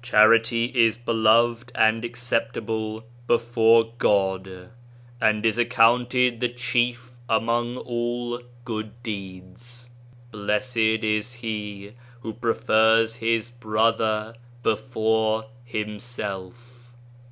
Charity is beloved and acceptable before God, and is accounted the chief among all good deeds. Blessed is he who prefers his brother before himself."